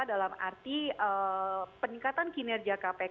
dalam arti peningkatan kinerja kpk